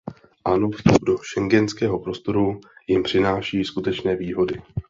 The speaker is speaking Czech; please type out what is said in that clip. Ano, vstup do schengenského prostoru jim přináší skutečné výhody.